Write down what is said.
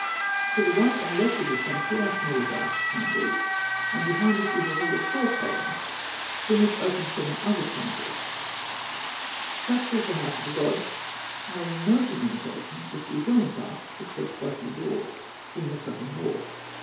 To the right and left of this sanctuary are small dark chambers (D, D), and behind it is a hall of four columns (E), from which open seven other chambers (F, F). Such was the house of the god, having no communication with the adjoining parts, except by two doors (G) in the southern wall (A, A).